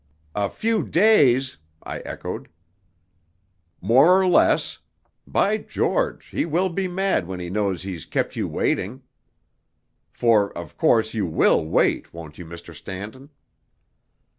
"A few days!" I echoed. "More or less. By George! he will be mad when he knows he's kept you waiting. For, of course, you will wait, won't you, Mr. Stanton?"